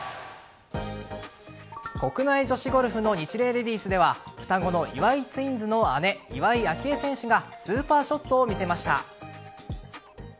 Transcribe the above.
国内女子ゴルフのニチレイレディスでは双子の岩井ツインズの姉岩井明愛選手がスーパーショットを見せました。